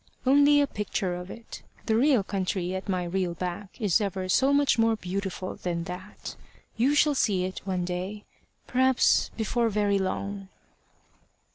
"Only a picture of it. The real country at my real back is ever so much more beautiful than that. You shall see it one day perhaps before very long."